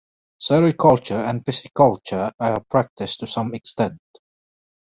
Sericulture and Pisciculture are practiced to some extent.